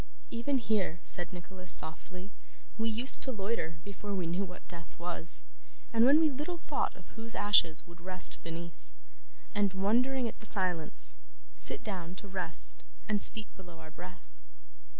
'Even here,' said Nicholas softly, 'we used to loiter before we knew what death was, and when we little thought whose ashes would rest beneath; and, wondering at the silence, sit down to rest and speak below our breath.